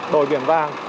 đổi biển vàng